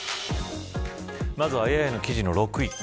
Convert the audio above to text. まずはＡＩの記事の６位。